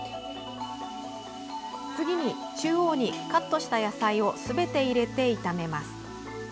次に、中央にカットした野菜をすべて入れて炒めます。